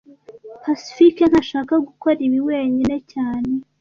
Pacifique ntashaka gukora ibi wenyine cyane